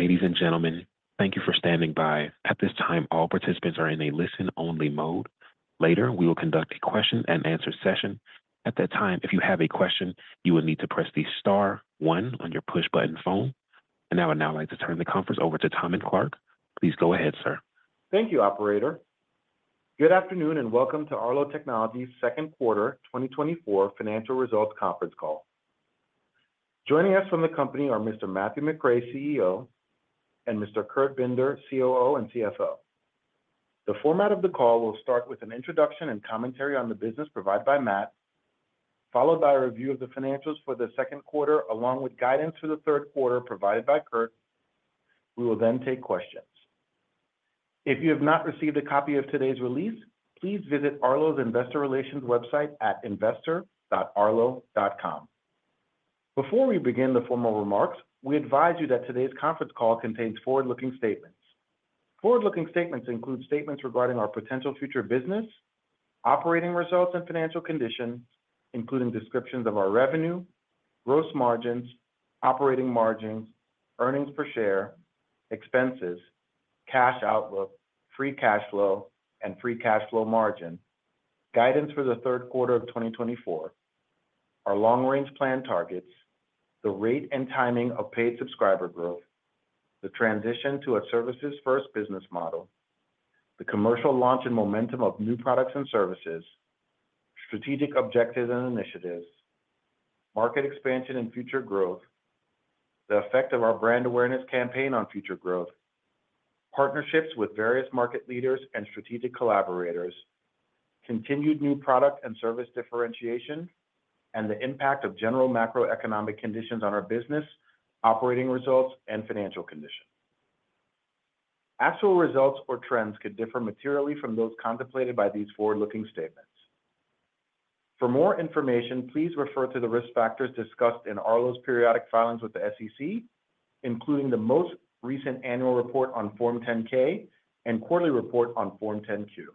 Ladies and gentlemen, thank you for standing by. At this time, all participants are in a listen-only mode. Later, we will conduct a question-and-answer session. At that time, if you have a question, you will need to press the star one on your push-button phone. I would now like to turn the conference over to Tahmin Clarke. Please go ahead, sir. Thank you, operator. Good afternoon, and welcome to Arlo Technologies' second quarter 2024 financial results conference call. Joining us from the company are Mr. Matthew McRae, CEO, and Mr. Kurt Binder, COO and CFO. The format of the call will start with an introduction and commentary on the business provided by Matt, followed by a review of the financials for the second quarter, along with guidance to the third quarter provided by Kurt. We will then take questions. If you have not received a copy of today's release, please visit Arlo's investor relations website at investor.arlo.com. Before we begin the formal remarks, we advise you that today's conference call contains forward-looking statements. Forward-looking statements include statements regarding our potential future business, operating results and financial conditions, including descriptions of our revenue, gross margins, operating margins, earnings per share, expenses, cash outlook, free cash flow, and free cash flow margin, guidance for the third quarter of 2024, our long-range plan targets, the rate and timing of paid subscriber growth, the transition to a services-first business model, the commercial launch and momentum of new products and services, strategic objectives and initiatives, market expansion and future growth, the effect of our brand awareness campaign on future growth, partnerships with various market leaders and strategic collaborators, continued new product and service differentiation, and the impact of general macroeconomic conditions on our business, operating results, and financial condition. Actual results or trends could differ materially from those contemplated by these forward-looking statements. For more information, please refer to the risk factors discussed in Arlo's periodic filings with the SEC, including the most recent annual report on Form 10-K and quarterly report on Form 10-Q.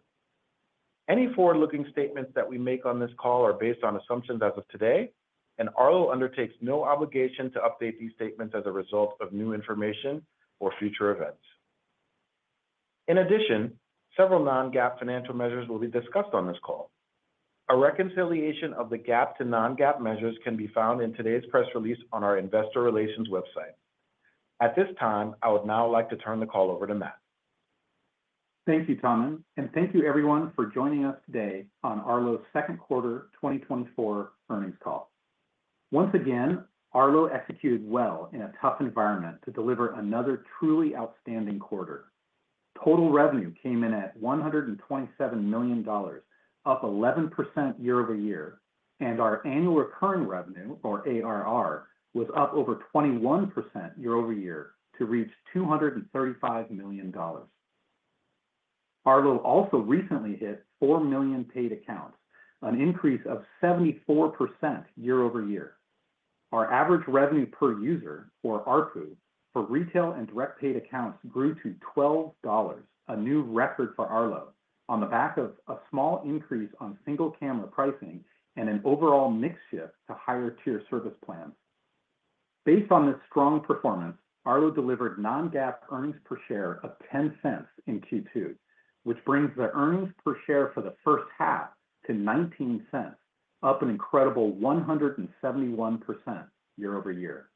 Any forward-looking statements that we make on this call are based on assumptions as of today, and Arlo undertakes no obligation to update these statements as a result of new information or future events. In addition, several non-GAAP financial measures will be discussed on this call. A reconciliation of the GAAP to non-GAAP measures can be found in today's press release on our investor relations website. At this time, I would now like to turn the call over to Matt. Thank you, Tahmin, and thank you, everyone, for joining us today on Arlo's second quarter 2024 earnings call. Once again, Arlo executed well in a tough environment to deliver another truly outstanding quarter. Total revenue came in at $127 million, up 11% year-over-year, and our annual recurring revenue, or ARR, was up over 21% year-over-year to reach $235 million. Arlo also recently hit 4 million paid accounts, an increase of 74% year-over-year. Our average revenue per user, or ARPU, for retail and direct paid accounts grew to $12, a new record for Arlo, on the back of a small increase on single-camera pricing and an overall mix shift to higher-tier service plans. Based on this strong performance, Arlo delivered non-GAAP earnings per share of $0.10 in Q2, which brings the earnings per share for the first half to $0.19, up an incredible 171% year-over-year.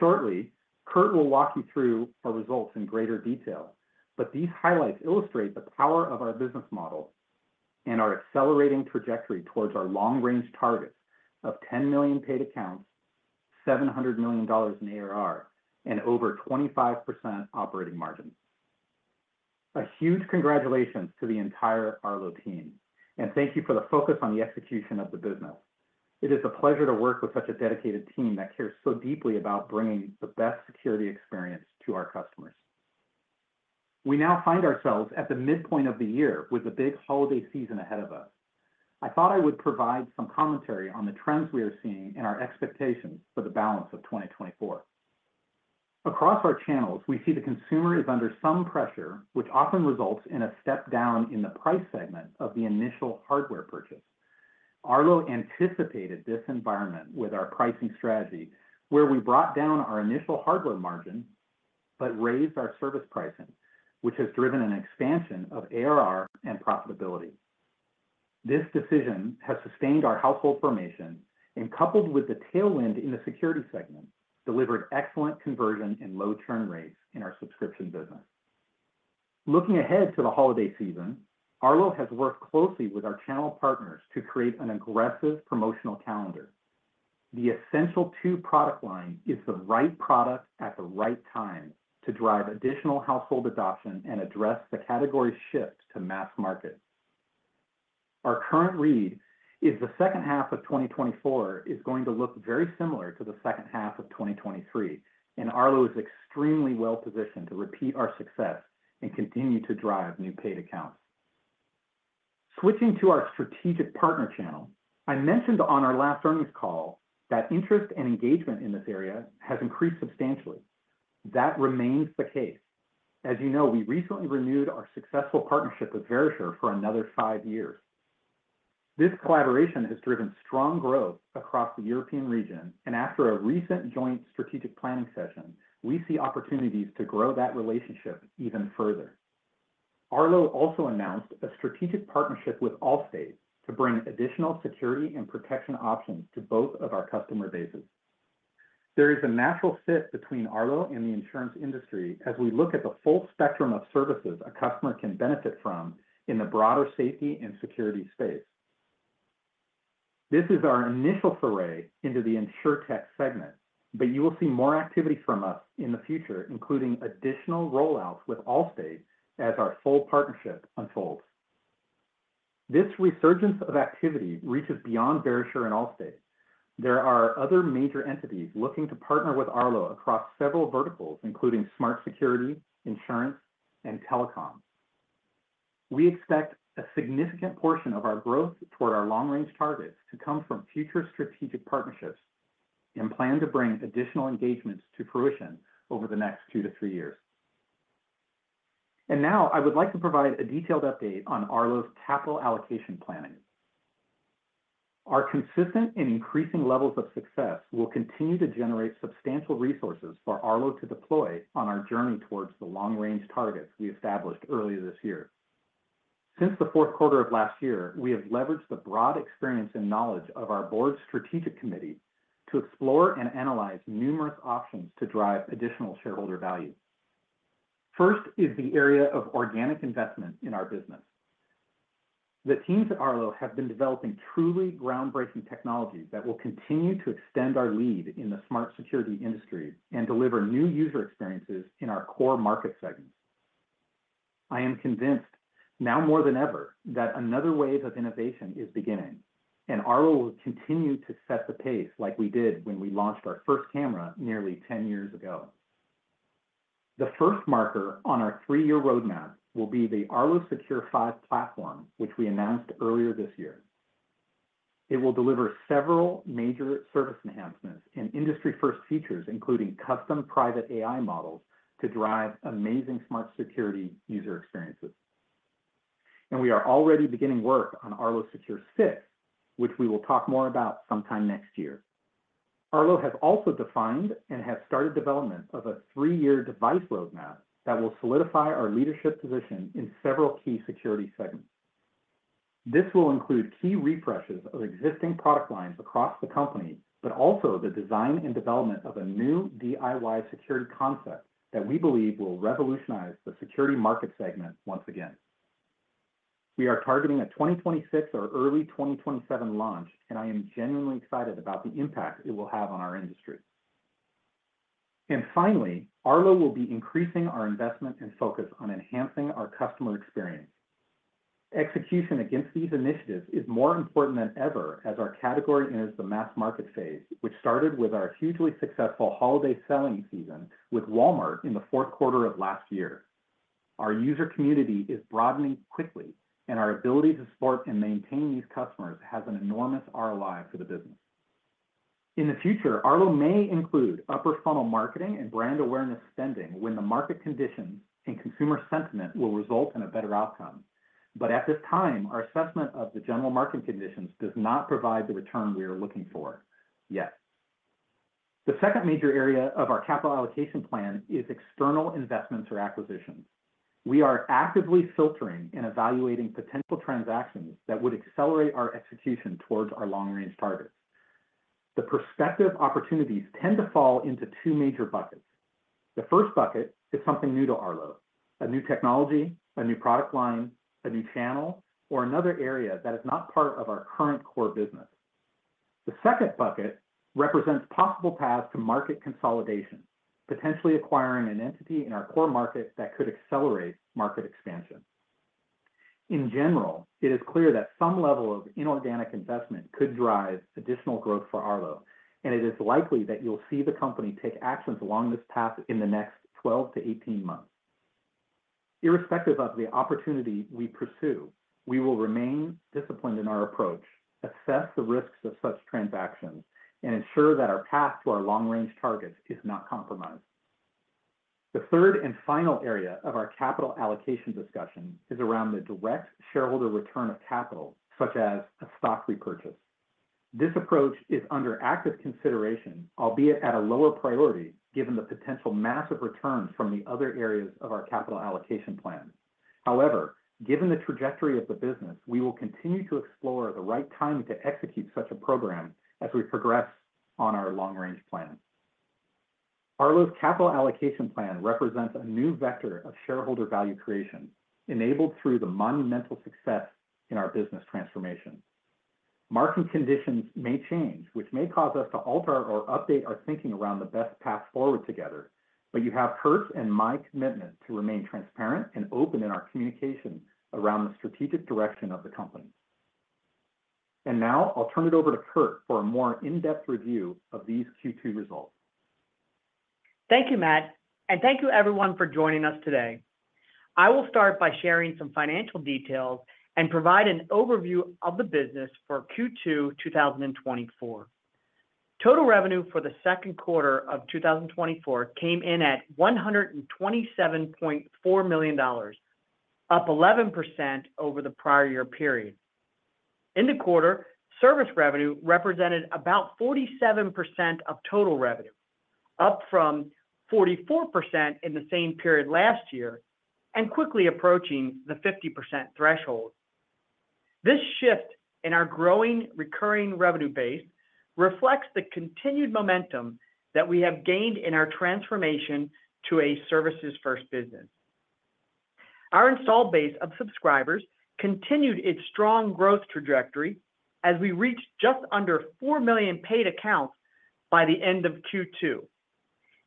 Shortly, Kurt will walk you through our results in greater detail, but these highlights illustrate the power of our business model and our accelerating trajectory towards our long-range targets of 10 million paid accounts, $700 million in ARR, and over 25% operating margin. A huge congratulations to the entire Arlo team, and thank you for the focus on the execution of the business. It is a pleasure to work with such a dedicated team that cares so deeply about bringing the best security experience to our customers. We now find ourselves at the midpoint of the year with a big holiday season ahead of us. I thought I would provide some commentary on the trends we are seeing and our expectations for the balance of 2024. Across our channels, we see the consumer is under some pressure, which often results in a step down in the price segment of the initial hardware purchase. Arlo anticipated this environment with our pricing strategy, where we brought down our initial hardware margin but raised our service pricing, which has driven an expansion of ARR and profitability. This decision has sustained our household formation and, coupled with the tailwind in the security segment, delivered excellent conversion and low churn rates in our subscription business. Looking ahead to the holiday season, Arlo has worked closely with our channel partners to create an aggressive promotional calendar. The Essential 2 product line is the right product at the right time to drive additional household adoption and address the category shift to mass market. Our current read is the second half of 2024 is going to look very similar to the second half of 2023, and Arlo is extremely well positioned to repeat our success and continue to drive new paid accounts. Switching to our strategic partner channel, I mentioned on our last earnings call that interest and engagement in this area has increased substantially. That remains the case. As you know, we recently renewed our successful partnership with Verisure for another five years.... This collaboration has driven strong growth across the European region, and after a recent joint strategic planning session, we see opportunities to grow that relationship even further. Arlo also announced a strategic partnership with Allstate to bring additional security and protection options to both of our customer bases. There is a natural fit between Arlo and the insurance industry as we look at the full spectrum of services a customer can benefit from in the broader safety and security space. This is our initial foray into the InsurTech segment, but you will see more activity from us in the future, including additional rollouts with Allstate as our full partnership unfolds. This resurgence of activity reaches beyond Verisure and Allstate. There are other major entities looking to partner with Arlo across several verticals, including smart security, insurance, and telecom. We expect a significant portion of our growth toward our long-range targets to come from future strategic partnerships and plan to bring additional engagements to fruition over the next two to three years. Now, I would like to provide a detailed update on Arlo's capital allocation planning. Our consistent and increasing levels of success will continue to generate substantial resources for Arlo to deploy on our journey towards the long-range targets we established earlier this year. Since the fourth quarter of last year, we have leveraged the broad experience and knowledge of our board's strategic committee to explore and analyze numerous options to drive additional shareholder value. First is the area of organic investment in our business. The teams at Arlo have been developing truly groundbreaking technologies that will continue to extend our lead in the smart security industry and deliver new user experiences in our core market segments. I am convinced, now more than ever, that another wave of innovation is beginning, and Arlo will continue to set the pace like we did when we launched our first camera nearly 10 years ago. The first marker on our three-year roadmap will be the Arlo Secure 5 platform, which we announced earlier this year. It will deliver several major service enhancements and industry-first features, including custom private AI models, to drive amazing smart security user experiences. And we are already beginning work on Arlo Secure 6, which we will talk more about sometime next year. Arlo has also defined and has started development of a three-year device roadmap that will solidify our leadership position in several key security segments. This will include key refreshes of existing product lines across the company, but also the design and development of a new DIY security concept that we believe will revolutionize the security market segment once again. We are targeting a 2026 or early 2027 launch, and I am genuinely excited about the impact it will have on our industry. And finally, Arlo will be increasing our investment and focus on enhancing our customer experience. Execution against these initiatives is more important than ever, as our category enters the mass market phase, which started with our hugely successful holiday selling season with Walmart in the fourth quarter of last year. Our user community is broadening quickly, and our ability to support and maintain these customers has an enormous ROI for the business. In the future, Arlo may include upper funnel marketing and brand awareness spending when the market conditions and consumer sentiment will result in a better outcome. But at this time, our assessment of the general market conditions does not provide the return we are looking for yet. The second major area of our capital allocation plan is external investments or acquisitions. We are actively filtering and evaluating potential transactions that would accelerate our execution towards our long-range targets. The prospective opportunities tend to fall into two major buckets. The first bucket is something new to Arlo: a new technology, a new product line, a new channel, or another area that is not part of our current core business. The second bucket represents possible paths to market consolidation, potentially acquiring an entity in our core market that could accelerate market expansion. In general, it is clear that some level of inorganic investment could drive additional growth for Arlo, and it is likely that you'll see the company take actions along this path in the next 12 to 18 months. Irrespective of the opportunity we pursue, we will remain disciplined in our approach, assess the risks of such transactions, and ensure that our path to our long-range targets is not compromised. The third and final area of our capital allocation discussion is around the direct shareholder return of capital, such as a stock repurchase. This approach is under active consideration, albeit at a lower priority, given the potential massive returns from the other areas of our capital allocation plan. However, given the trajectory of the business, we will continue to explore the right timing to execute such a program as we progress on our long-range plan. Arlo's capital allocation plan represents a new vector of shareholder value creation, enabled through the monumental success in our business transformation. Market conditions may change, which may cause us to alter or update our thinking around the best path forward together, but you have Kurt's and my commitment to remain transparent and open in our communication around the strategic direction of the company. Now, I'll turn it over to Kurt for a more in-depth review of these Q2 results. Thank you, Matt, and thank you everyone for joining us today. I will start by sharing some financial details and provide an overview of the business for Q2 2024. Total revenue for the second quarter of 2024 came in at $127.4 million, up 11% over the prior year period. In the quarter, service revenue represented about 47% of total revenue, up from 44% in the same period last year, and quickly approaching the 50% threshold. This shift in our growing recurring revenue base reflects the continued momentum that we have gained in our transformation to a services-first business. Our installed base of subscribers continued its strong growth trajectory as we reached just under 4 million paid accounts by the end of Q2,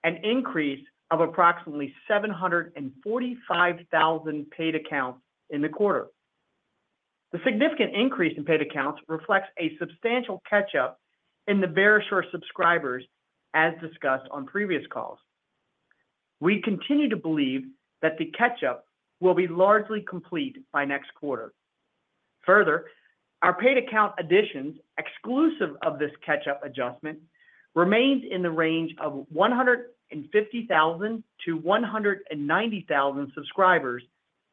an increase of approximately 745,000 paid accounts in the quarter. The significant increase in paid accounts reflects a substantial catch-up in the Verisure subscribers, as discussed on previous calls. We continue to believe that the catch-up will be largely complete by next quarter. Further, our paid account additions, exclusive of this catch-up adjustment, remains in the range of 150,000-190,000 subscribers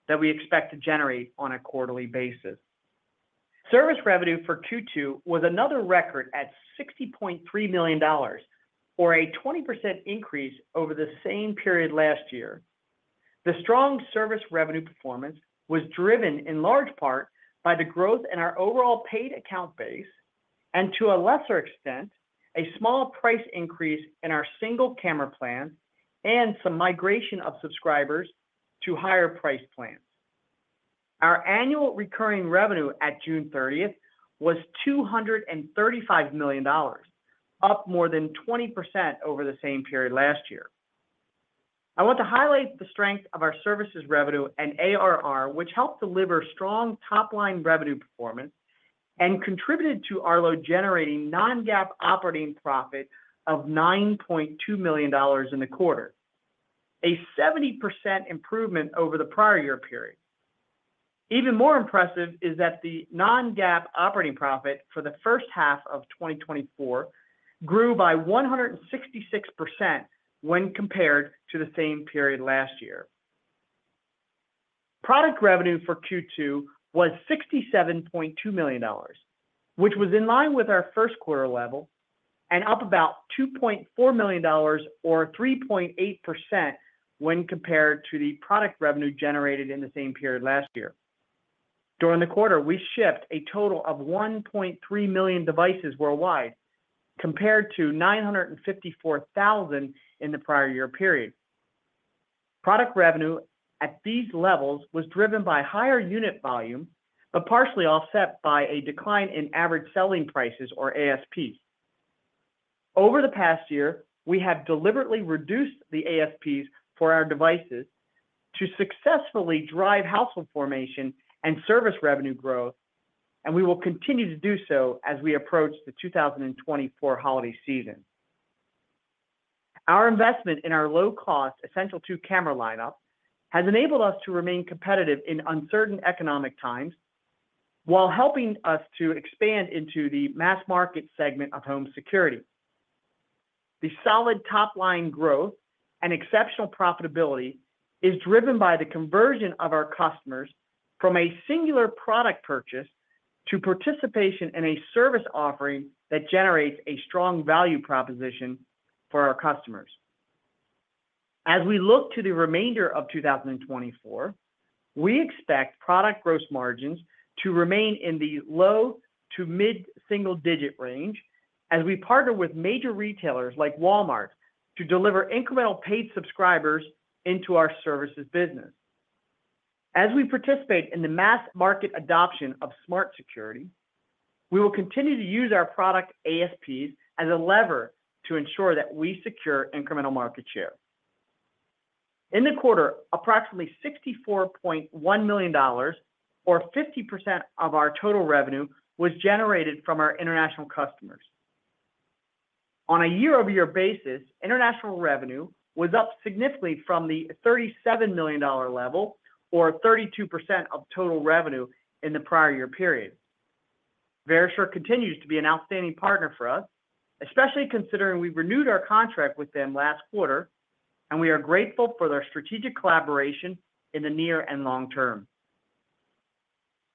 that we expect to generate on a quarterly basis. Service revenue for Q2 was another record at $60.3 million, or a 20% increase over the same period last year. The strong service revenue performance was driven in large part by the growth in our overall paid account base, and to a lesser extent, a small price increase in our single camera plan and some migration of subscribers to higher price plans. Our annual recurring revenue at June 30 was $235 million, up more than 20% over the same period last year. I want to highlight the strength of our services revenue and ARR, which helped deliver strong top-line revenue performance and contributed to Arlo generating non-GAAP operating profit of $9.2 million in the quarter, a 70% improvement over the prior year period. Even more impressive is that the non-GAAP operating profit for the first half of 2024 grew by 166% when compared to the same period last year. Product revenue for Q2 was $67.2 million, which was in line with our first quarter level and up about $2.4 million or 3.8% when compared to the product revenue generated in the same period last year. During the quarter, we shipped a total of 1.3 million devices worldwide, compared to 954,000 in the prior year period. Product revenue at these levels was driven by higher unit volume, but partially offset by a decline in average selling prices, or ASPs. Over the past year, we have deliberately reduced the ASPs for our devices to successfully drive household formation and service revenue growth, and we will continue to do so as we approach the 2024 holiday season. Our investment in our low-cost Essential 2 camera lineup has enabled us to remain competitive in uncertain economic times, while helping us to expand into the mass market segment of home security. The solid top-line growth and exceptional profitability is driven by the conversion of our customers from a singular product purchase to participation in a service offering that generates a strong value proposition for our customers. As we look to the remainder of 2024, we expect product gross margins to remain in the low to mid-single digit range as we partner with major retailers like Walmart to deliver incremental paid subscribers into our services business. As we participate in the mass market adoption of smart security, we will continue to use our product ASPs as a lever to ensure that we secure incremental market share. In the quarter, approximately $64.1 million or 50% of our total revenue was generated from our international customers. On a year-over-year basis, international revenue was up significantly from the $37 million level, or 32% of total revenue in the prior year period. Verisure continues to be an outstanding partner for us, especially considering we renewed our contract with them last quarter, and we are grateful for their strategic collaboration in the near and long term.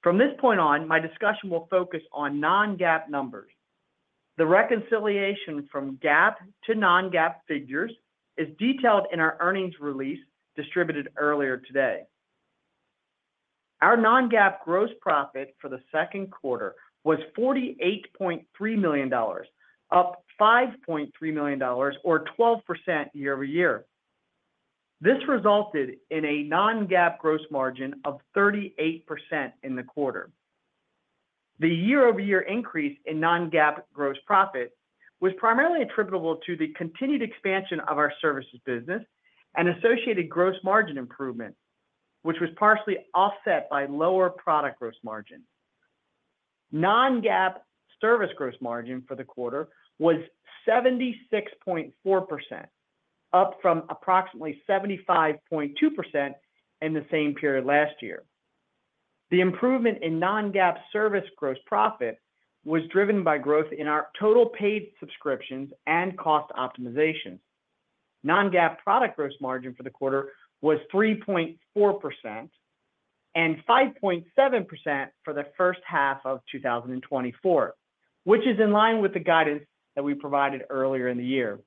From this point on, my discussion will focus on non-GAAP numbers. The reconciliation from GAAP to non-GAAP figures is detailed in our earnings release distributed earlier today. Our non-GAAP gross profit for the second quarter was $48.3 million, up $5.3 million or 12% year-over-year. This resulted in a non-GAAP gross margin of 38% in the quarter. The year-over-year increase in non-GAAP gross profit was primarily attributable to the continued expansion of our services business and associated gross margin improvement, which was partially offset by lower product gross margin. Non-GAAP service gross margin for the quarter was 76.4%, up from approximately 75.2% in the same period last year. The improvement in non-GAAP service gross profit was driven by growth in our total paid subscriptions and cost optimization. Non-GAAP product gross margin for the quarter was 3.4% and 5.7% for the first half of 2024, which is in line with the guidance that we provided earlier in the year.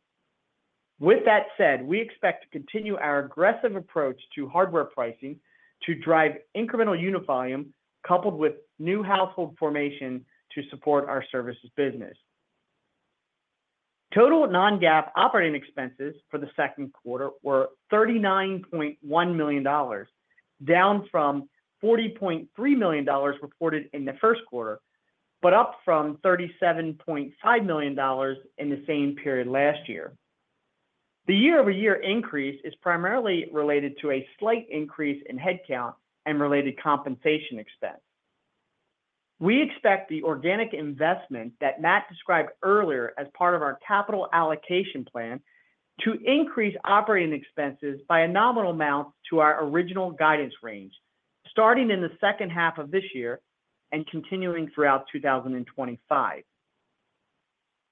With that said, we expect to continue our aggressive approach to hardware pricing to drive incremental unit volume, coupled with new household formation to support our services business. Total non-GAAP operating expenses for the second quarter were $39.1 million, down from $40.3 million reported in the first quarter, but up from $37.5 million in the same period last year. The year-over-year increase is primarily related to a slight increase in headcount and related compensation expense. We expect the organic investment that Matt described earlier as part of our capital allocation plan, to increase operating expenses by a nominal amount to our original guidance range, starting in the second half of this year and continuing throughout 2025.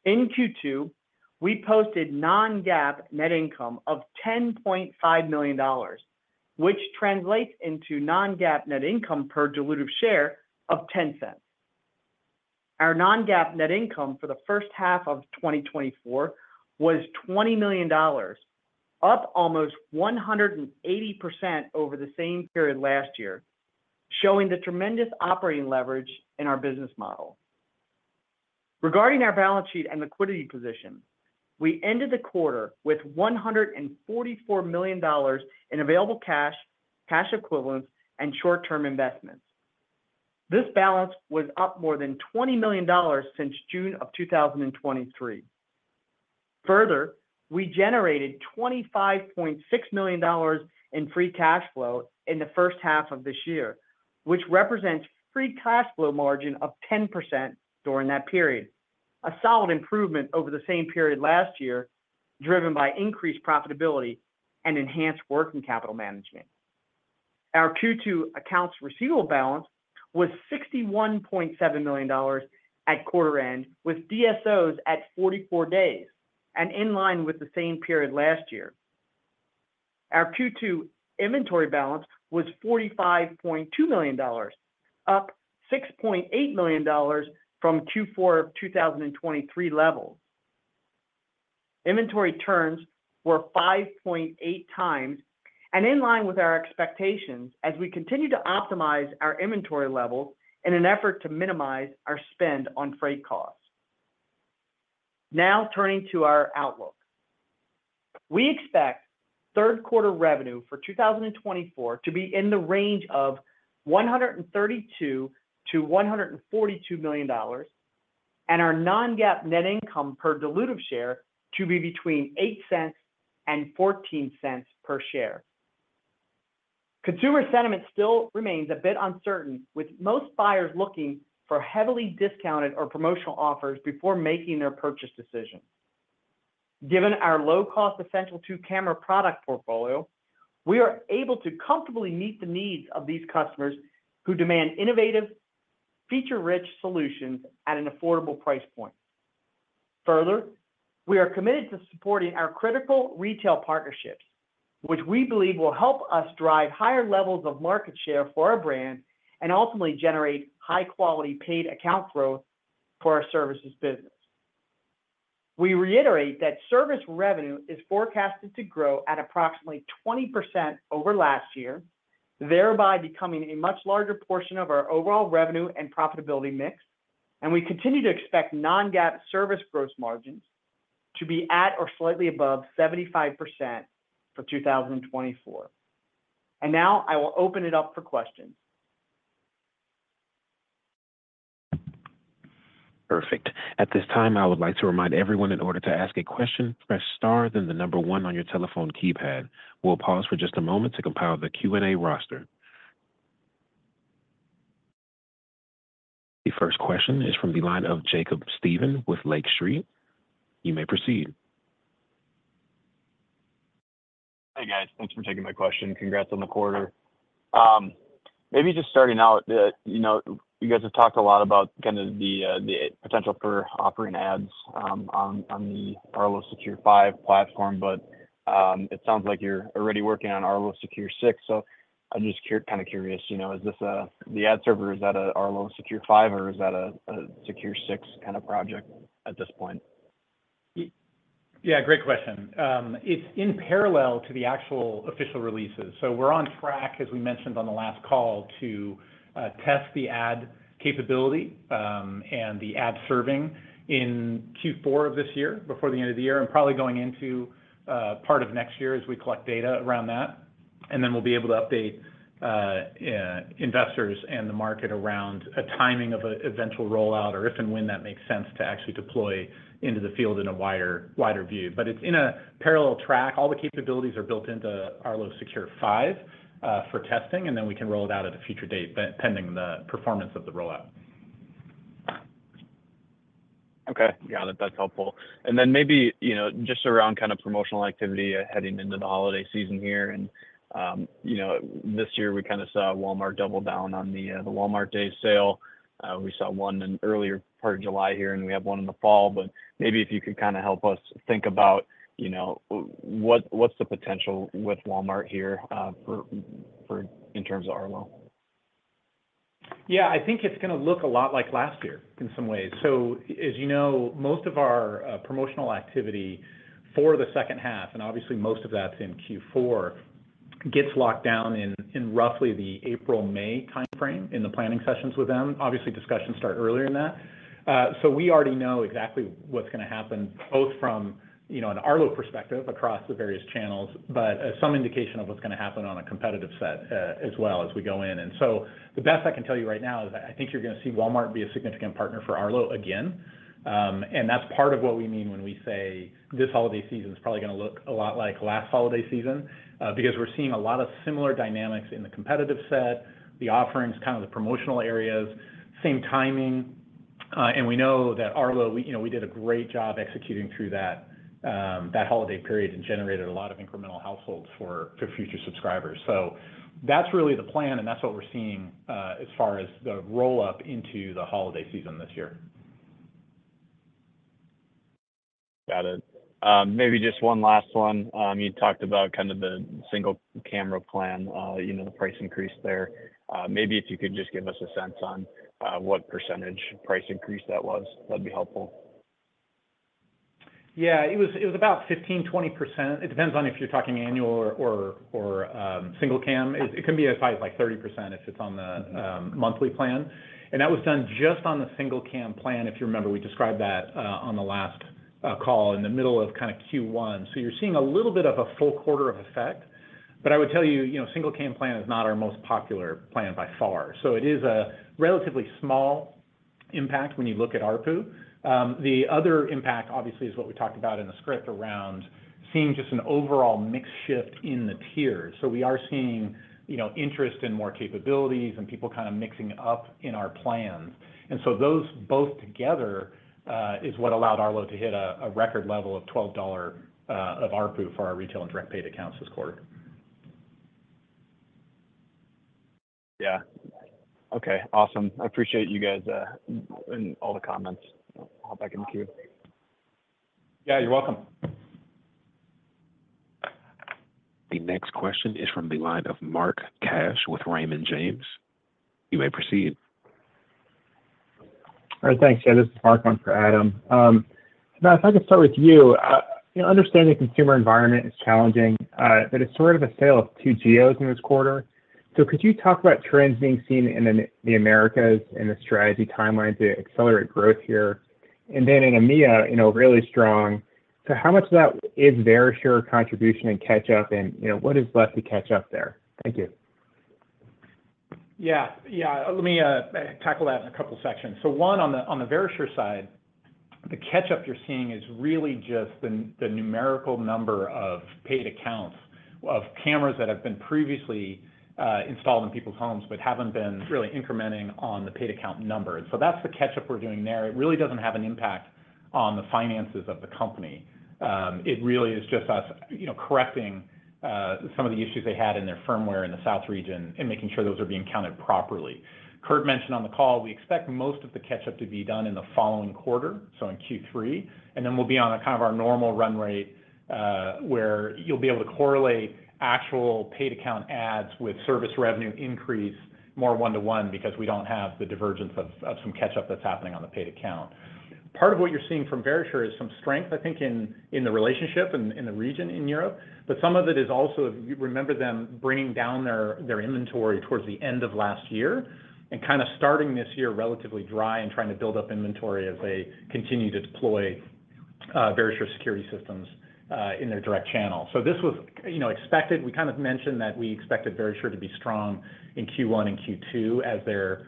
In Q2, we posted non-GAAP net income of $10.5 million, which translates into non-GAAP net income per dilutive share of $0.10. Our non-GAAP net income for the first half of 2024 was $20 million, up almost 180% over the same period last year, showing the tremendous operating leverage in our business model. Regarding our balance sheet and liquidity position, we ended the quarter with $144 million in available cash, cash equivalents, and short-term investments. This balance was up more than $20 million since June of 2023. Further, we generated $25.6 million in free cash flow in the first half of this year, which represents free cash flow margin of 10% during that period, a solid improvement over the same period last year, driven by increased profitability and enhanced working capital management. Our Q2 accounts receivable balance was $61.7 million at quarter end, with DSOs at 44 days and in line with the same period last year. Our Q2 inventory balance was $45.2 million, up $6.8 million from Q4 of 2023 levels. Inventory turns were 5.8 times and in line with our expectations as we continue to optimize our inventory levels in an effort to minimize our spend on freight costs. Now, turning to our outlook. We expect third quarter revenue for 2024 to be in the range of $132 million-$142 million, and our non-GAAP net income per diluted share to be between $0.08 and $0.14 per share. Consumer sentiment still remains a bit uncertain, with most buyers looking for heavily discounted or promotional offers before making their purchase decision. Given our low-cost Essential 2 camera product portfolio, we are able to comfortably meet the needs of these customers who demand innovative, feature-rich solutions at an affordable price point. Further, we are committed to supporting our critical retail partnerships, which we believe will help us drive higher levels of market share for our brand and ultimately generate high-quality paid account growth for our services business. We reiterate that service revenue is forecasted to grow at approximately 20% over last year, thereby becoming a much larger portion of our overall revenue and profitability mix, and we continue to expect non-GAAP service gross margins to be at or slightly above 75% for 2024. Now I will open it up for questions. Perfect. At this time, I would like to remind everyone, in order to ask a question, press star then the number one on your telephone keypad. We'll pause for just a moment to compile the Q&A roster. The first question is from the line of Jacob Stephan with Lake Street. You may proceed. Hi, guys. Thanks for taking my question. Congrats on the quarter. Maybe just starting out, you know, you guys have talked a lot about kind of the potential for operating ads on the Arlo Secure 5 platform, but it sounds like you're already working on Arlo Secure 6. So I'm just kind of curious, you know, is this the ad server, is that a Arlo Secure 5, or is that a Secure 6 kind of project at this point? Yeah, great question. It's in parallel to the actual official releases. So we're on track, as we mentioned on the last call, to test the ad capability, and the ad serving in Q4 of this year, before the end of the year, and probably going into part of next year as we collect data around that. And then we'll be able to update investors and the market around a timing of a eventual rollout or if and when that makes sense to actually deploy into the field in a wider, wider view. But it's in a parallel track. All the capabilities are built into Arlo Secure 5, for testing, and then we can roll it out at a future date, but pending the performance of the rollout.... Okay. Yeah, that, that's helpful. And then maybe, you know, just around kind of promotional activity, heading into the holiday season here, and, you know, this year we kinda saw Walmart double down on the Walmart Day sale. We saw one in earlier part of July here, and we have one in the fall, but maybe if you could kinda help us think about, you know, what, what's the potential with Walmart here, for in terms of Arlo? Yeah, I think it's gonna look a lot like last year in some ways. So as you know, most of our promotional activity for the second half, and obviously most of that's in Q4, gets locked down in roughly the April-May timeframe, in the planning sessions with them. Obviously, discussions start earlier than that. So we already know exactly what's gonna happen, both from, you know, an Arlo perspective across the various channels, but some indication of what's gonna happen on a competitive set, as well as we go in. And so the best I can tell you right now is that I think you're gonna see Walmart be a significant partner for Arlo again. And that's part of what we mean when we say this holiday season is probably gonna look a lot like last holiday season. Because we're seeing a lot of similar dynamics in the competitive set, the offerings, kind of the promotional areas, same timing, and we know that Arlo, we, you know, we did a great job executing through that, that holiday period and generated a lot of incremental households for future subscribers. So that's really the plan, and that's what we're seeing, as far as the roll-up into the holiday season this year. Got it. Maybe just one last one. You talked about kind of the single camera plan, you know, the price increase there. Maybe if you could just give us a sense on, what percentage price increase that was, that'd be helpful. Yeah, it was about 15%-20%. It depends on if you're talking annual or single cam. It can be as high as, like, 30% if it's on the monthly plan. And that was done just on the single cam plan. If you remember, we described that on the last call in the middle of kinda Q1. So you're seeing a little bit of a full quarter of effect. But I would tell you, you know, single cam plan is not our most popular plan by far, so it is a relatively small impact when you look at ARPU. The other impact, obviously, is what we talked about in the script around seeing just an overall mix shift in the tiers. So we are seeing, you know, interest in more capabilities and people kinda mixing up in our plans. And so those both together is what allowed Arlo to hit a record level of $12 of ARPU for our retail and direct paid accounts this quarter. Yeah. Okay, awesome. I appreciate you guys, and all the comments. I'll hop back in the queue. Yeah, you're welcome. The next question is from the line of Mark Cash with Raymond James. You may proceed. All right, thanks. Yeah, this is Mark. One for Adam. If I could start with you. You know, understanding consumer environment is challenging, but it's sort of a tale of two geos in this quarter. So could you talk about trends being seen in the, the Americas and the strategy timeline to accelerate growth here? And then in EMEA, you know, really strong. So how much of that is Verisure contribution and catch-up and, you know, what is left to catch-up there? Thank you. Yeah. Yeah, let me tackle that in a couple sections. So one, on the, on the Verisure side, the catch-up you're seeing is really just the numerical number of paid accounts, of cameras that have been previously installed in people's homes, but haven't been really incrementing on the paid account number. And so that's the catch-up we're doing there. It really doesn't have an impact on the finances of the company. It really is just us, you know, correcting some of the issues they had in their firmware in the South region and making sure those are being counted properly. Kurt mentioned on the call, we expect most of the catch-up to be done in the following quarter, so in Q3, and then we'll be on a kind of our normal run rate, where you'll be able to correlate actual paid account ads with service revenue increase more one-to-one because we don't have the divergence of some catch-up that's happening on the paid account. Part of what you're seeing from Verisure is some strength, I think, in the relationship and in the region in Europe, but some of it is also, if you remember them bringing down their inventory towards the end of last year and kinda starting this year relatively dry and trying to build up inventory as they continue to deploy Verisure security systems in their direct channel. So this was, you know, expected. We kind of mentioned that we expected Verisure to be strong in Q1 and Q2 as they're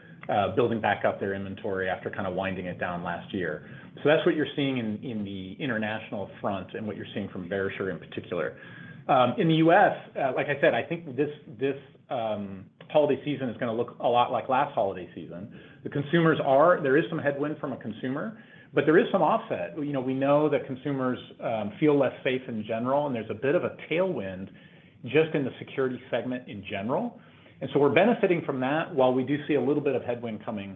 building back up their inventory after kinda winding it down last year. So that's what you're seeing in the international front and what you're seeing from Verisure, in particular. In the U.S., like I said, I think this holiday season is gonna look a lot like last holiday season. The consumers are—there is some headwind from a consumer, but there is some offset. You know, we know that consumers feel less safe in general, and there's a bit of a tailwind just in the security segment in general. And so we're benefiting from that, while we do see a little bit of headwind coming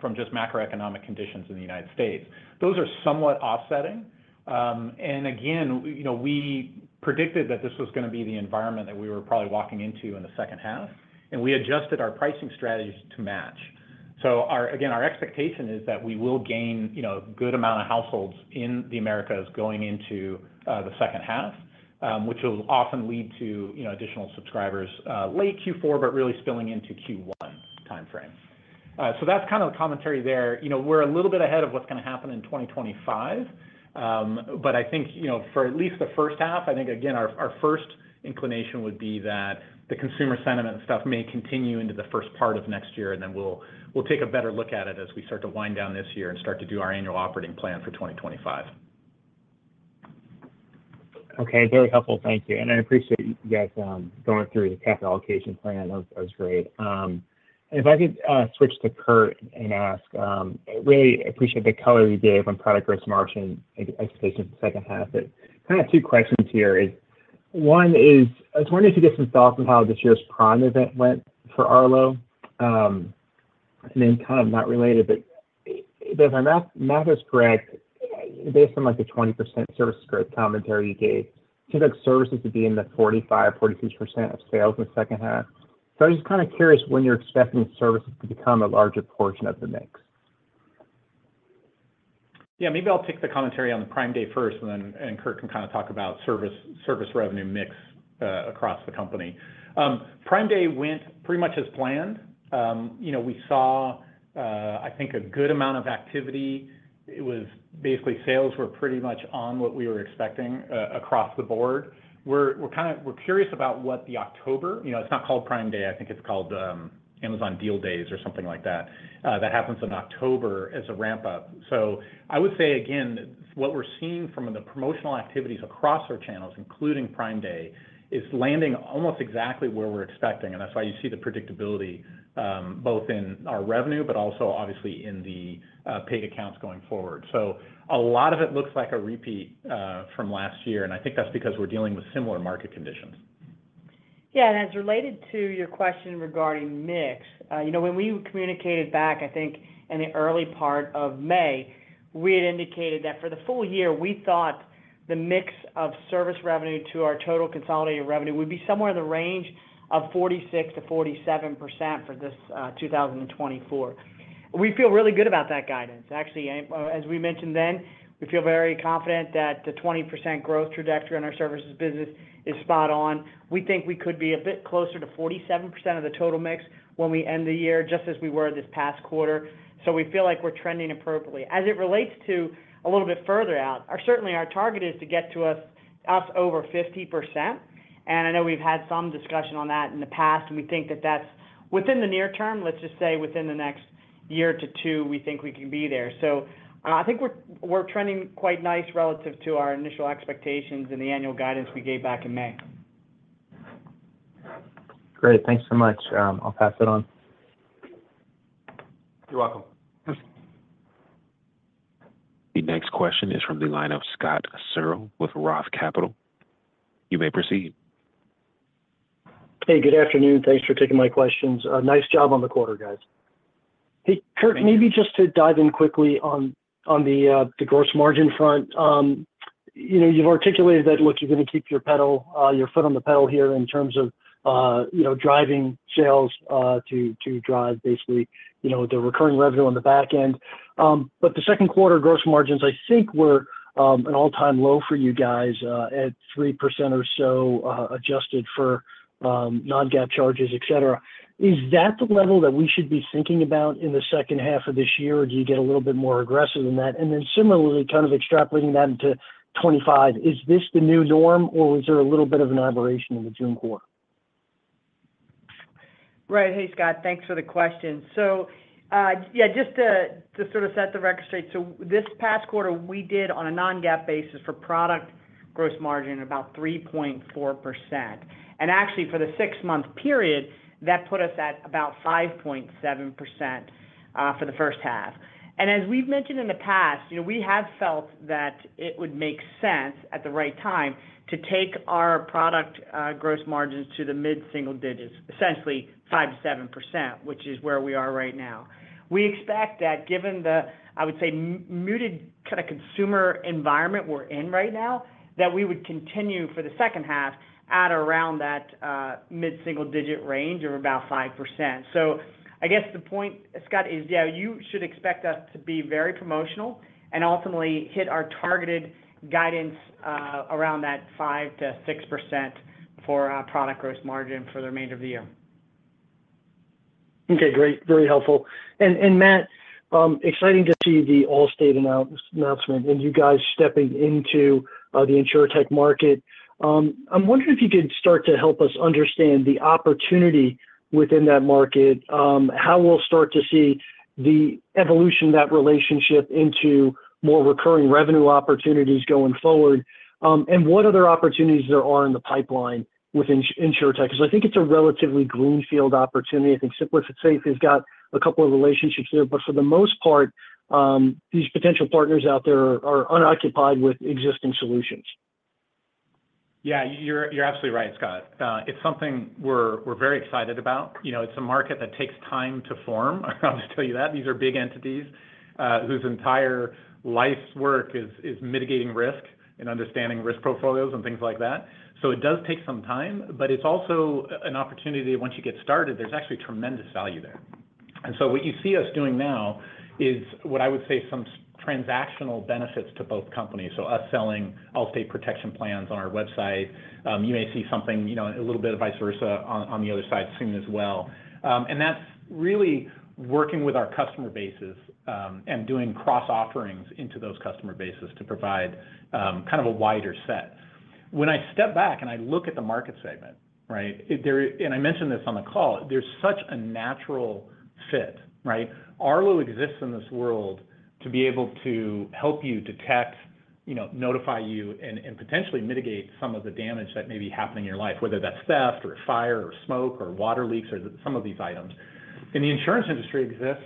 from just macroeconomic conditions in the United States. Those are somewhat offsetting. And again, you know, we predicted that this was gonna be the environment that we were probably walking into in the second half, and we adjusted our pricing strategies to match. So again, our expectation is that we will gain, you know, good amount of households in the Americas going into the second half, which will often lead to, you know, additional subscribers late Q4, but really spilling into Q1 timeframe. So that's kind of the commentary there. You know, we're a little bit ahead of what's gonna happen in 2025. But I think, you know, for at least the first half, I think, again, our, our first inclination would be that the consumer sentiment stuff may continue into the first part of next year, and then we'll, we'll take a better look at it as we start to wind down this year and start to do our annual operating plan for 2025.... Okay, very helpful. Thank you, and I appreciate you guys going through the capital allocation plan. That was great. If I could switch to Kurt and ask, I really appreciate the color you gave on product gross margin expectation for the second half. But kind of two questions here is, one is, I was wondering if you could get some thoughts on how this year's Prime event went for Arlo. And then kind of not related, but if my math is correct, based on, like, the 20% service growth commentary you gave, I think services would be in the 45%, 42% of sales in the second half. So I'm just kind of curious when you're expecting services to become a larger portion of the mix. Yeah, maybe I'll take the commentary on the Prime Day first, and then Kurt can kind of talk about service revenue mix across the company. Prime Day went pretty much as planned. You know, we saw, I think, a good amount of activity. It was basically sales were pretty much on what we were expecting across the board. We're curious about what the October... You know, it's not called Prime Day, I think it's called Amazon Deal Days or something like that, that happens in October as a ramp-up. So I would say, again, what we're seeing from the promotional activities across our channels, including Prime Day, is landing almost exactly where we're expecting, and that's why you see the predictability both in our revenue, but also obviously in the paid accounts going forward. A lot of it looks like a repeat from last year, and I think that's because we're dealing with similar market conditions. Yeah, and as related to your question regarding mix, you know, when we communicated back, I think, in the early part of May, we had indicated that for the full year, we thought the mix of service revenue to our total consolidated revenue would be somewhere in the range of 46%-47% for this 2024. We feel really good about that guidance. Actually, as we mentioned then, we feel very confident that the 20% growth trajectory in our services business is spot on. We think we could be a bit closer to 47% of the total mix when we end the year, just as we were this past quarter. So we feel like we're trending appropriately. As it relates to a little bit further out, certainly our target is to get to us, us over 50%, and I know we've had some discussion on that in the past, and we think that that's within the near term, let's just say within the next year to two, we think we can be there. So, I think we're, we're trending quite nice relative to our initial expectations in the annual guidance we gave back in May. Great. Thanks so much. I'll pass it on. You're welcome. The next question is from the line of Scott Searle with Roth Capital. You may proceed. Hey, good afternoon. Thanks for taking my questions. Nice job on the quarter, guys. Hey, Kurt, maybe just to dive in quickly on the gross margin front. You know, you've articulated that, look, you're going to keep your foot on the pedal here in terms of, you know, driving sales to drive basically, you know, the recurring revenue on the back end. But the second quarter gross margins, I think, were an all-time low for you guys at 3% or so, adjusted for non-GAAP charges, et cetera. Is that the level that we should be thinking about in the second half of this year, or do you get a little bit more aggressive than that? Then similarly, kind of extrapolating that into 25, is this the new norm, or was there a little bit of an aberration in the June quarter? Right. Hey, Scott, thanks for the question. So, yeah, just to sort of set the record straight, so this past quarter, we did on a Non-GAAP basis for product gross margin, about 3.4%. And actually, for the six-month period, that put us at about 5.7%, for the first half. And as we've mentioned in the past, you know, we have felt that it would make sense at the right time to take our product gross margins to the mid-single digits, essentially 5%-7%, which is where we are right now. We expect that given the, I would say, muted kind of consumer environment we're in right now, that we would continue for the second half at around that mid-single-digit range of about 5%. I guess the point, Scott, is, yeah, you should expect us to be very promotional and ultimately hit our targeted guidance around that 5%-6% for our product gross margin for the remainder of the year. Okay, great. Very helpful. And Matt, exciting to see the Allstate announcement and you guys stepping into the InsurTech market. I'm wondering if you could start to help us understand the opportunity within that market, how we'll start to see the evolution of that relationship into more recurring revenue opportunities going forward, and what other opportunities there are in the pipeline within InsurTech? Because I think it's a relatively greenfield opportunity. I think SimpliSafe has got a couple of relationships there, but for the most part, these potential partners out there are unoccupied with existing solutions. Yeah, you're absolutely right, Scott. It's something we're very excited about. You know, it's a market that takes time to form. I'll just tell you that. These are big entities whose entire life's work is mitigating risk and understanding risk portfolios and things like that. So it does take some time, but it's also an opportunity that once you get started, there's actually tremendous value there. And so what you see us doing now is what I would say some transactional benefits to both companies. So us selling Allstate Protection Plans on our website, you may see something, you know, a little bit of vice versa on the other side soon as well. And that's really working with our customer bases and doing cross offerings into those customer bases to provide kind of a wider set. When I step back and I look at the market segment, right? And I mentioned this on the call, there's such a natural fit, right? Arlo exists in this world to be able to help you detect, you know, notify you and potentially mitigate some of the damage that may be happening in your life, whether that's theft or fire or smoke or water leaks or some of these items. And the insurance industry exists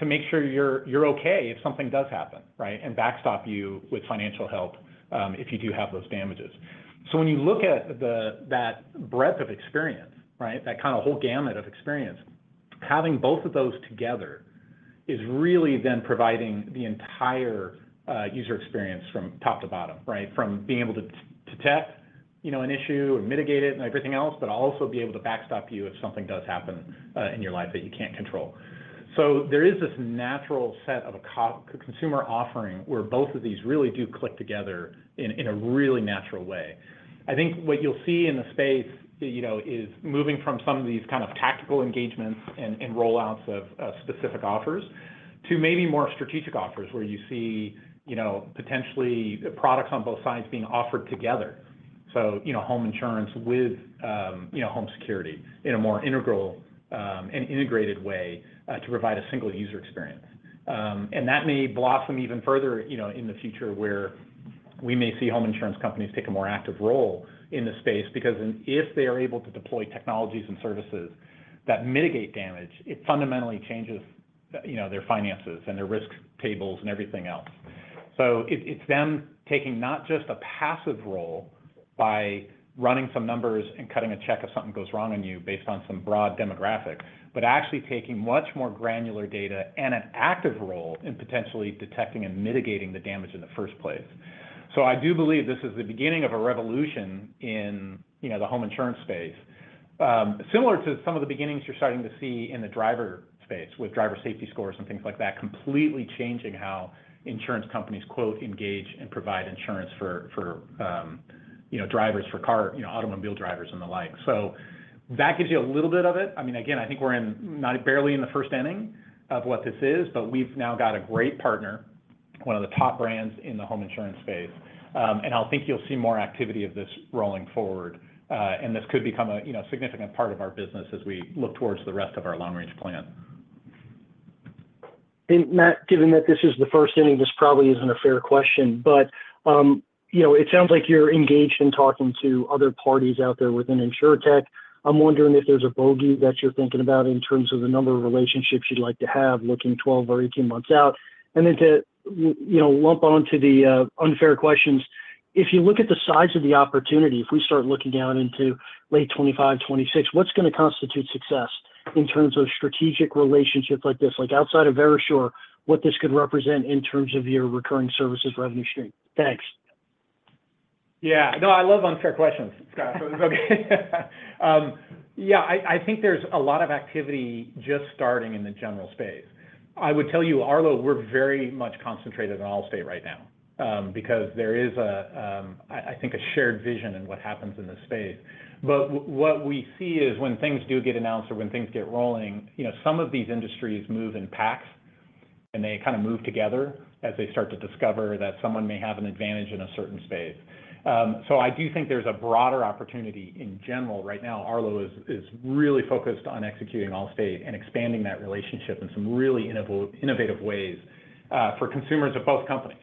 to make sure you're okay if something does happen, right? And backstop you with financial help if you do have those damages. So when you look at that breadth of experience, right, that kind of whole gamut of experience, having both of those together is really then providing the entire user experience from top to bottom, right? From being able to detect, you know, an issue and mitigate it and everything else, but also be able to backstop you if something does happen in your life that you can't control. So there is this natural set of a co-consumer offering where both of these really do click together in a really natural way. I think what you'll see in the space, you know, is moving from some of these kind of tactical engagements and rollouts of specific offers to maybe more strategic offers, where you see, you know, potentially products on both sides being offered together. So, you know, home insurance with home security in a more integral and integrated way to provide a single user experience. And that may blossom even further, you know, in the future, where we may see home insurance companies take a more active role in this space, because if they are able to deploy technologies and services that mitigate damage, it fundamentally changes, you know, their finances and their risk tables and everything else. So it's them taking not just a passive role by running some numbers and cutting a check if something goes wrong on you based on some broad demographic, but actually taking much more granular data and an active role in potentially detecting and mitigating the damage in the first place. So I do believe this is the beginning of a revolution in, you know, the home insurance space, similar to some of the beginnings you're starting to see in the driver space, with driver safety scores and things like that, completely changing how insurance companies, quote, "engage" and provide insurance for, you know, drivers for car, you know, automobile drivers and the like. So that gives you a little bit of it. I mean, again, I think we're barely in the first inning of what this is, but we've now got a great partner, one of the top brands in the home insurance space. And I think you'll see more activity of this rolling forward, and this could become a, you know, significant part of our business as we look towards the rest of our long-range plan. And Matt, given that this is the first inning, this probably isn't a fair question, but, you know, it sounds like you're engaged in talking to other parties out there within InsurTech. I'm wondering if there's a bogey that you're thinking about in terms of the number of relationships you'd like to have, looking 12 or 18 months out. And then to, you know, lump on to the, unfair questions, if you look at the size of the opportunity, if we start looking down into late 2025, 2026, what's gonna constitute success in terms of strategic relationships like this? Like, outside of Verisure, what this could represent in terms of your recurring services revenue stream? Thanks. Yeah. No, I love unfair questions, Scott, so it's okay. Yeah, I think there's a lot of activity just starting in the general space. I would tell you, Arlo, we're very much concentrated on Allstate right now, because there is a, I think, a shared vision in what happens in this space. But what we see is when things do get announced or when things get rolling, you know, some of these industries move in packs, and they kind of move together as they start to discover that someone may have an advantage in a certain space. So I do think there's a broader opportunity in general. Right now, Arlo is really focused on executing Allstate and expanding that relationship in some really innovative ways, for consumers of both companies.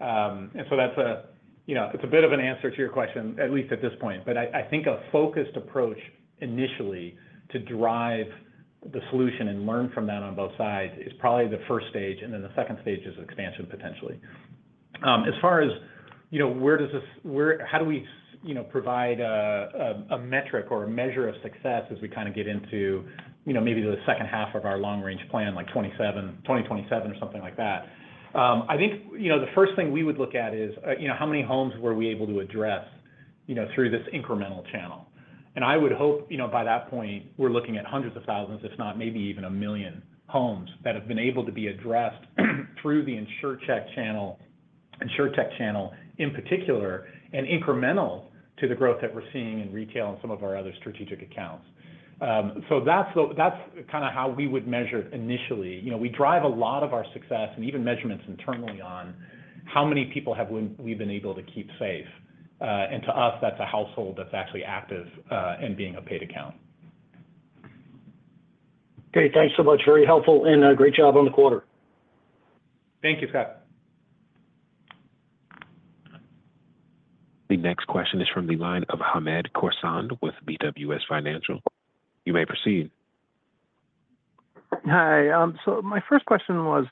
And so that's a, you know, it's a bit of an answer to your question, at least at this point. But I think a focused approach initially to drive the solution and learn from that on both sides is probably the first stage, and then the second stage is expansion, potentially. As far as, you know, where does this—where, how do we, you know, provide a metric or a measure of success as we kind of get into, you know, maybe the second half of our long-range plan, like 27, 2027 or something like that? I think, you know, the first thing we would look at is, you know, how many homes were we able to address, you know, through this incremental channel. And I would hope, you know, by that point, we're looking at hundreds of thousands, if not maybe even a million homes, that have been able to be addressed through the InsurTech channel, InsurTech channel in particular, and incremental to the growth that we're seeing in retail and some of our other strategic accounts. So that's the - that's kind of how we would measure initially. You know, we drive a lot of our success, and even measurements internally, on how many people have we, we've been able to keep safe. And to us, that's a household that's actually active, and being a paid account. Okay, thanks so much. Very helpful, and great job on the quarter. Thank you, Scott. The next question is from the line of Hamed Khorsand with BWS Financial. You may proceed. Hi, so my first question was,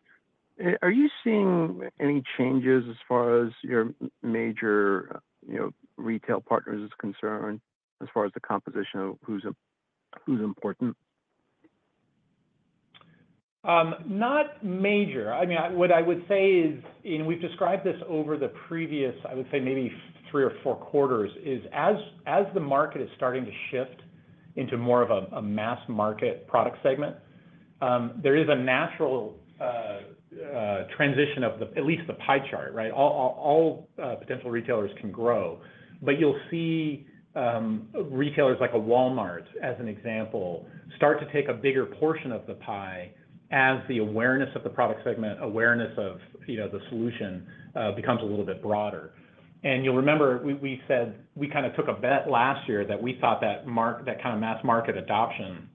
are you seeing any changes as far as your major, you know, retail partners is concerned, as far as the composition of who's important? Not major. I mean, what I would say is, and we've described this over the previous, I would say, maybe three or four quarters, is as, as the market is starting to shift into more of a, a mass-market product segment, there is a natural transition of the—at least the pie chart, right? All potential retailers can grow, but you'll see, retailers like a Walmart, as an example, start to take a bigger portion of the pie, as the awareness of the product segment, awareness of, you know, the solution, becomes a little bit broader. And you'll remember, we said we kind of took a bet last year that we thought that—that kind of mass market adoption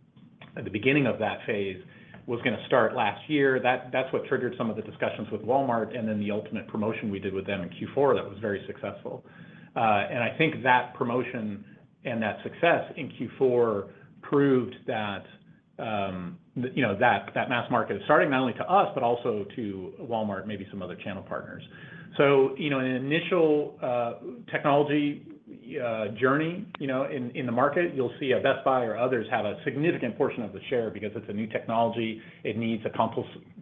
at the beginning of that phase was gonna start last year. That, that's what triggered some of the discussions with Walmart, and then the ultimate promotion we did with them in Q4 that was very successful. And I think that promotion and that success in Q4 proved that, you know, that, that mass market is starting, not only to us, but also to Walmart, maybe some other channel partners. So, you know, in an initial technology journey, you know, in the market, you'll see a Best Buy or others have a significant portion of the share because it's a new technology. It needs a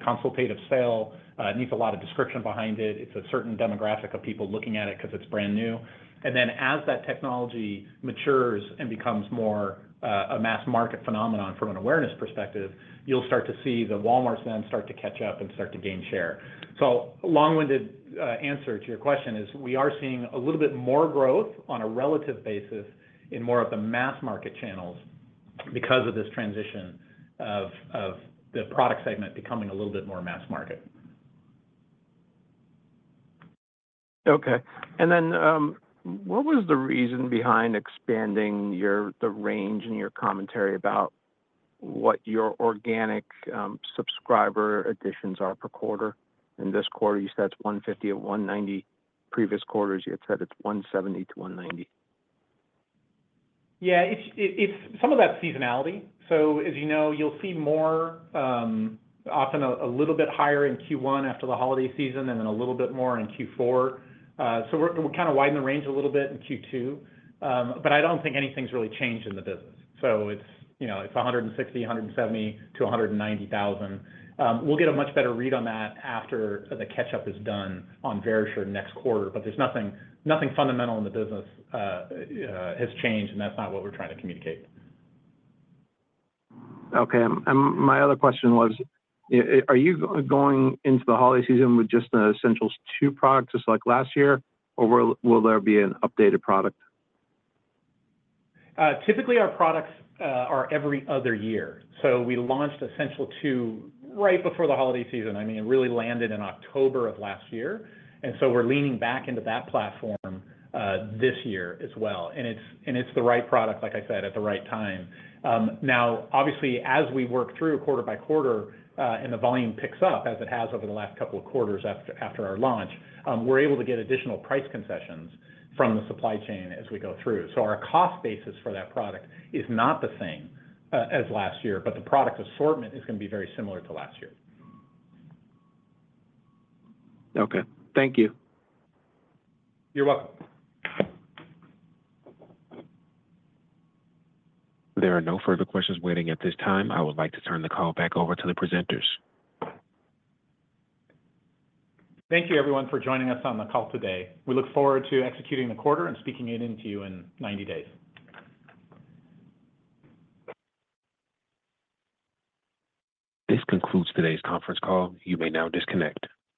consultative sale, it needs a lot of description behind it. It's a certain demographic of people looking at it 'cause it's brand new. And then, as that technology matures and becomes more a mass-market phenomenon from an awareness perspective, you'll start to see the Walmarts then start to catch up and start to gain share. So long-winded answer to your question is, we are seeing a little bit more growth on a relative basis in more of the mass-market channels because of this transition of the product segment becoming a little bit more mass market. Okay. And then, what was the reason behind expanding the range in your commentary about what your organic subscriber additions are per quarter? In this quarter, you said it's 150 or 190. Previous quarters, you had said it's 170,000-190,000. Yeah, it's some of that's seasonality. So as you know, you'll see more often a little bit higher in Q1 after the holiday season, and then a little bit more in Q4. So we're kind of widening the range a little bit in Q2. But I don't think anything's really changed in the business. So it's, you know, 170,000-190,000. We'll get a much better read on that after the catch-up is done on Verisure next quarter, but there's nothing fundamental in the business has changed, and that's not what we're trying to communicate. Okay. My other question was, are you going into the holiday season with just the Essential 2 product, just like last year? Or will there be an updated product? Typically, our products are every other year. So we launched Essential 2 right before the holiday season. I mean, it really landed in October of last year, and so we're leaning back into that platform this year as well. And it's, and it's the right product, like I said, at the right time. Now, obviously, as we work through quarter by quarter and the volume picks up, as it has over the last couple of quarters after our launch, we're able to get additional price concessions from the supply chain as we go through. So our cost basis for that product is not the same as last year, but the product assortment is gonna be very similar to last year. Okay. Thank you. You're welcome. There are no further questions waiting at this time. I would like to turn the call back over to the presenters. Thank you, everyone, for joining us on the call today. We look forward to executing the quarter and speaking with you in 90 days. This concludes today's conference call. You may now disconnect.